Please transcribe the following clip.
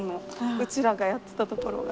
うちらがやってたところが。